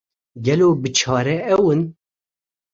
Gelo biçare ew in?